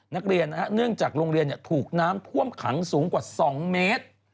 เนื่องจากโรงเรียนถูกน้ำท่วมขังสูงกว่า๒เมตร